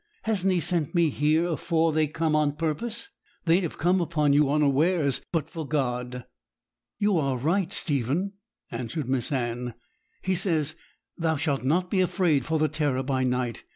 Hasn't He sent me here, afore they come, on purpose? They'd have come upon you unawares, but for God.' 'You are right, Stephen,' answered Miss Anne. 'He says, "Thou shalt not be afraid for the terror by night."